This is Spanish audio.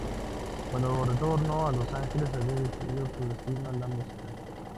Cuando retornó a Los Ángeles había decidido su destino: la música.